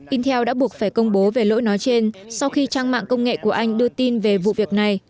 intel đã buộc phải công bố về lỗi nói trên sau khi trang mạng công nghệ của anh đưa tin về vụ việc này